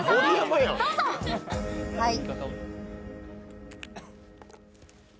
はい。